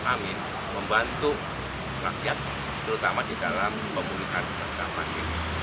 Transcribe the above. kami membantu rakyat terutama di dalam komunikasi masyarakat